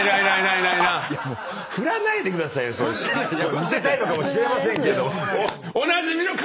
見せたいのかもしれませんけど。